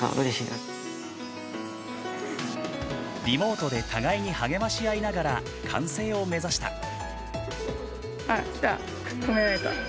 リモートで互いに励まし合いながら完成を目指した。